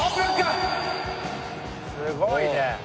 すごいね。